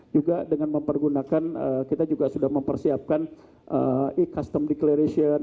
juga dengan mempergunakan kita juga sudah mempersiapkan e custom declaration